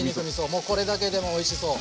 もうこれだけでもおいしそう。